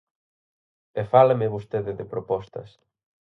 E fálame vostede de propostas.